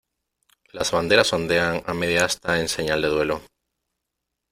Las banderas ondean a media asta en señal de duelo.